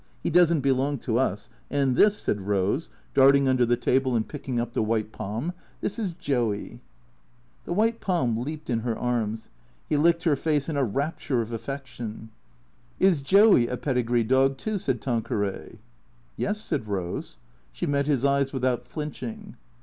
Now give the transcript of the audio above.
He does n't belong to us. And this," said Rose, darting under the table and picking up the white Pom, " this is Joey." The white Pom leaped in her arms. He licked her face in a rapture of affection. " Is Joey a pedigree dog, too ?" said Tanqueray. " Yes," said Rose. She met his eyes without flinching.